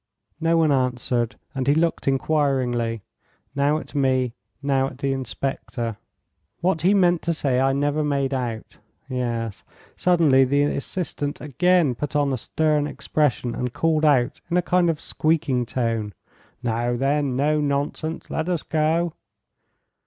No one answered, and he looked inquiringly, now at me, now at the inspector. What he meant to say I never made out. Yes. Suddenly the assistant again put on a stern expression, and called out in a kind of squeaking tone: 'Now, then, no nonsense. Let us go.